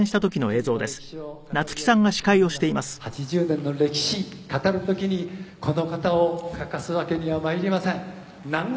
「８０年の歴史語る時にこの方を欠かすわけにはまいりません」